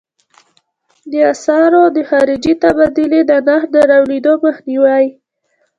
د اسعارو د خارجې تبادلې د نرخ د رالوېدو مخنیوی.